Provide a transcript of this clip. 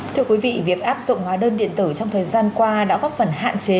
thưa quý vị việc áp dụng hóa đơn điện tử trong thời gian qua đã góp phần hạn chế